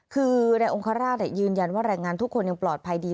คือในองคาราชยืนยันว่าแรงงานทุกคนยังปลอดภัยดี